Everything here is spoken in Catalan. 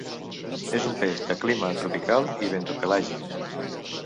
És un peix de clima tropical i bentopelàgic.